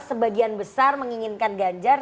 sebagian besar menginginkan ganjar